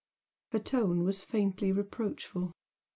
Her tone was faintly reproachful.